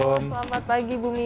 halo selamat pagi bu mia